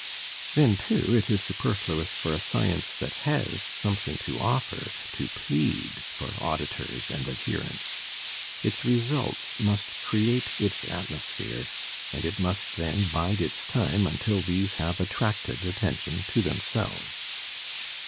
Then, too, it is superfluous for a science that has something to offer to plead for auditors and adherents. Its results must create its atmosphere, and it must then bide its time until these have attracted attention to themselves.